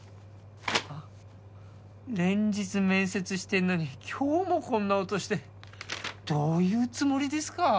連日面接してんのに今日もこんな落としてどういうつもりですか？